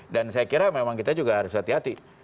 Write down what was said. dan saya kira memang kita juga harus hati hati